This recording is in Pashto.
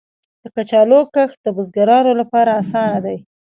د کچالو کښت د بزګرانو لپاره اسانه دی.